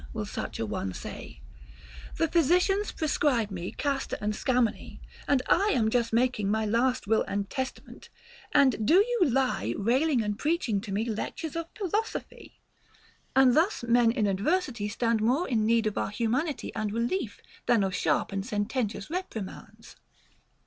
will such a one say, the physicians prescribe me castor and scammony, and I am just making my last will and testa ment, and do you lie railing and preaching to me lectures of philosophy \ And thus men in adversity stand more in need of our humanity and relief than of sharp and sen tentious reprimands.